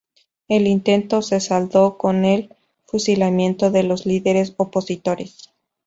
El intento se saldó con el fusilamiento de los líderes opositores.